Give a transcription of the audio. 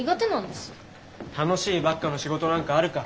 楽しいばっかの仕事なんかあるか。